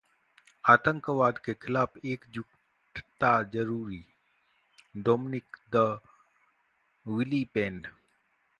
आतंकवाद के खिलाफ एकजुटता जरूरी: डोमनिक द विलीपेन